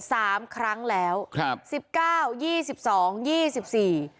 สามครั้งแล้วครับสิบเก้ายี่สิบสองยี่สิบสี่